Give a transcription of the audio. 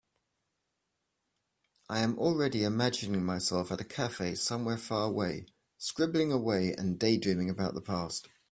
I am already imagining myself at a cafe somewhere far away, scribbling away and daydreaming about the past.